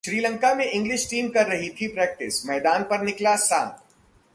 श्रीलंका में English team कर रही थी प्रैक्टिस, मैदान पर निकला सांप